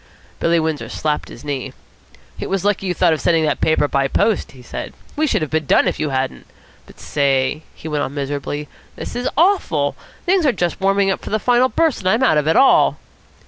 Billy Windsor slapped his knee. "It was lucky you thought of sending that paper by post," he said. "We should have been done if you hadn't. But, say," he went on miserably, "this is awful. Things are just warming up for the final burst, and I'm out of it all."